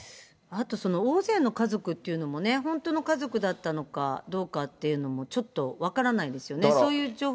あと、大勢の家族っていうのもね、本当の家族だったのかどうかっていうのも、ちょっと分からないですよね。